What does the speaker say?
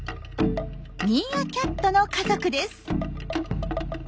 お次はミーアキャットの家族です。